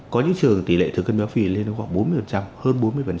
có những trường tỷ lệ thừa cân béo phì lên khoảng bốn mươi